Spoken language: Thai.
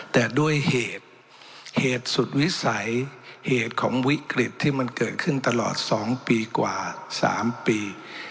แต่ด้วยเหตุเหตุสุดวิสัยเหตุของวิกฤตที่มันเกิดขึ้นตลอด๒ปีกว่า๓ปี